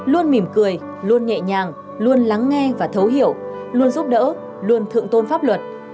luôn mỉm cười luôn nhẹ nhàng luôn lắng nghe và thấu hiểu luôn giúp đỡ luôn thượng tôn pháp luật